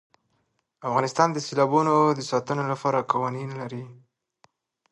افغانستان د سیلابونه د ساتنې لپاره قوانین لري.